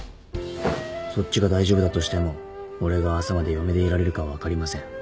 そっちが大丈夫だとしても俺は朝まで嫁でいられるか分かりません